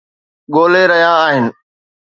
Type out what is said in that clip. ڳولي رهيا آهن